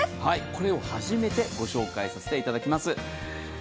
これを初めてご紹介させていただきます。